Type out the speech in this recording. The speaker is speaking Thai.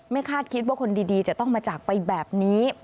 คาดคิดว่าคนดีจะต้องมาจากไปแบบนี้